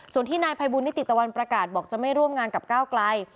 ส่วนที่นายภัยบุญนิติตะวันประกาศบอกจะไม่ร่วมงานกับก้าวไกล